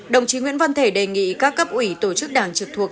đồng chí nguyễn văn thể đề nghị các cấp ủy tổ chức đảng trực thuộc